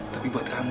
tapi buat kamu